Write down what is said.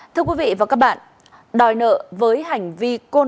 thưa quý vị và các bạn đòi nợ với hành vi côn đồ manh động